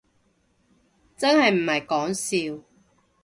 真係唔係講笑